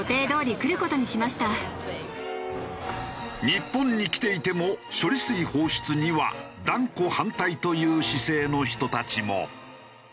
日本に来ていても処理水放出には断固反対という姿勢の人たちも。